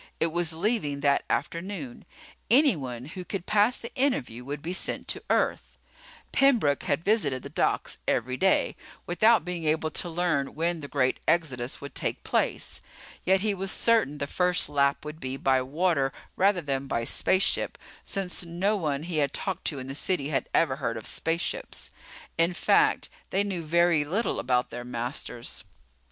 It was leaving that afternoon. Anyone who could pass the interview would be sent to Earth. Pembroke had visited the docks every day, without being able to learn when the great exodus would take place. Yet he was certain the first lap would be by water rather than by spaceship, since no one he had talked to in the city had ever heard of spaceships. In fact, they knew very little about their masters.